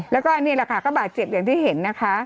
แล้วก็นี่แหละค่ะก็บาดเจ็บอย่างที่เห็นนะคะ